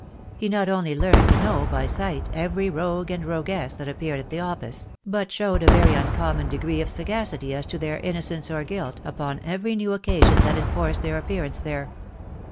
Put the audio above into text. He not only learned to know by sight every rogue and roguess that appeared at the office, but showed a very uncommon degree of sagacity as to their innocence or guilt upon any new occasion that enforced their appearance there.